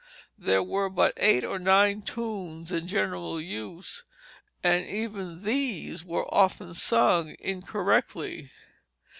There were but eight or nine tunes in general use, and even these were often sung incorrectly.